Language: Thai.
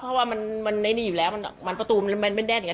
เพราะว่ามันในนี่อยู่แล้วมันประตูมันไม่แดดอย่างเ